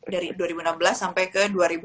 dari dua ribu enam belas sampai ke